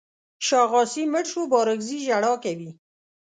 شاغاسي مړ شو بارکزي ژړا کوي.